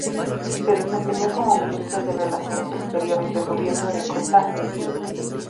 Se desempeñó como Ministro de Relaciones Exteriores del gobierno de Costa e Silva.